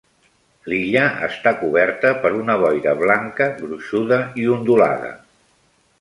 L'illa està coberta per una boira blanca gruixuda i ondulada.